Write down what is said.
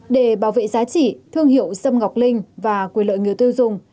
để bảo vệ giá trị thương hiệu sâm ngọc linh và quyền lợi người tiêu dùng